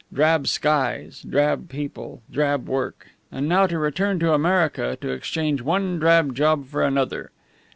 Drab skies, drab people, drab work! And now to return to America, to exchange one drab job for another!